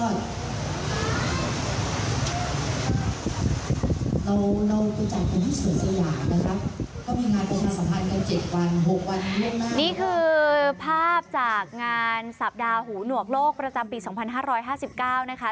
นี่คือภาพจากงานสัปดาห์หูหนวกโลกประจำปี๒๕๕๙นะคะ